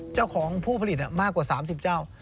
เจ้าของผู้ผลิตมากกว่า๓๐เจ้า